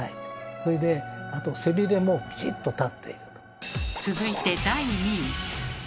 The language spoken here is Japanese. それであと背びれもきちっと立っていると。